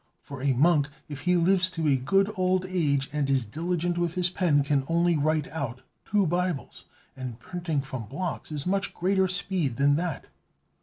For a monk, if he lives to a good old age, and is diligent with his pen, can only write out two Bibles; and printing from blocks is much greater speed than that."